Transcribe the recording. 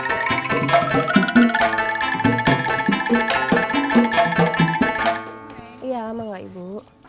ibu lama ga ibu